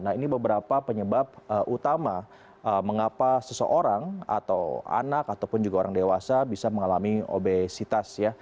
nah ini beberapa penyebab utama mengapa seseorang atau anak ataupun juga orang dewasa bisa mengalami obesitas ya